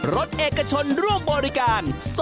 เอกชนร่วมบริการ